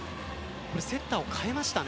セッターを代えましたね。